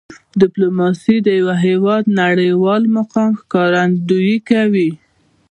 ډیپلوماسي د یو هېواد د نړیوال مقام ښکارندویي کوي.